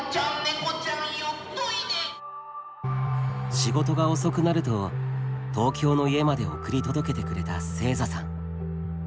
仕事が遅くなると東京の家まで送り届けてくれた星座さん。